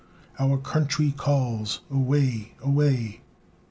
Our country calls; away! away!